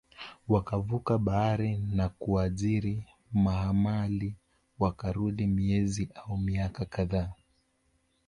wakavuka bahari na kuajiri mahamali Wakarudi miezi au miaka kadhaa